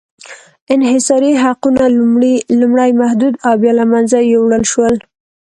انحصاري حقونه لومړی محدود او بیا له منځه یووړل شول.